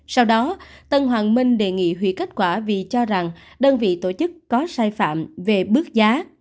sau đó tân hoàng minh đề nghị hủy kết quả vì cho rằng đơn vị tổ chức có sai phạm về bước giá